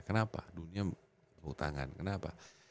kenapa dunia berhutangan kenapa